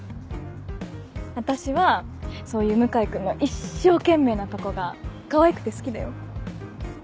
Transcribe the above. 私はそういう向井君の一生懸命なとこがかわいくて好きだよ。